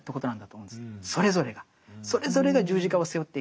それぞれが十字架を背負って生きている。